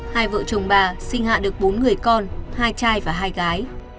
hai vợ chồng bà sinh hạ được bốn người con hai chai và hai gái